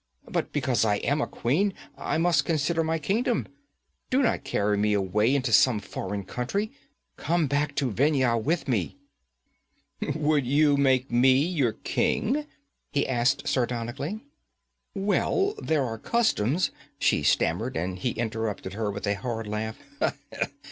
'But because I am a queen, I must consider my kingdom. Do not carry me away into some foreign country. Come back to Vendhya with me!' 'Would you make me your king?' he asked sardonically. 'Well, there are customs ' she stammered, and he interrupted her with a hard laugh.